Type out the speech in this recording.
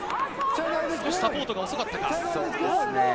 少しサポートが遅かったか。